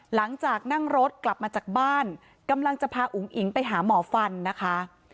หลังจากนั่งรถกลับมาจากบ้านกำลังจะพาอุ๋งอิ๋งไปหาหมอฟันนะคะ